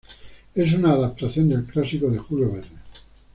Es una adaptación del clásico de Julio Verne.